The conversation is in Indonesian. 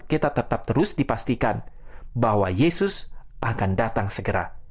kita tetap terus dipastikan bahwa yesus akan datang segera